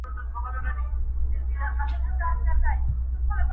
چي ښه ورته رانژدې سوو.